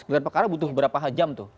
gelar perkara butuh berapa jam tuh